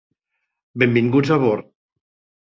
Benvinguts a bord.